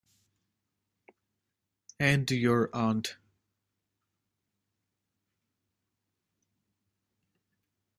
And your aunt.